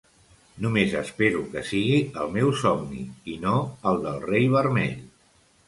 Només espero que sigui el meu somni, i no el del Rei Vermell!